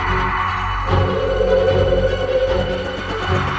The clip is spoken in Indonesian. jangan yang tau